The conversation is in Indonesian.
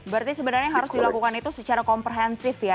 berarti sebenarnya harus dilakukan itu secara komprehensif ya